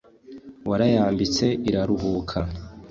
warayambitse iraruhuka.